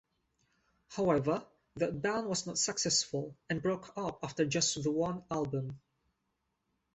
However, that band was not successful, and broke up after just the one album.